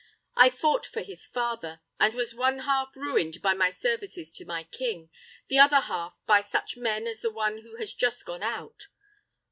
I fought for his father, and was one half ruined by my services to my king, the other half by such men as the one who has just gone out.